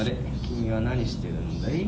君は何してるんだい？